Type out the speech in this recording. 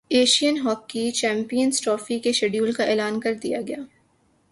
Asian hockey champions trophy کے schedule کا اعلان کردیا گیا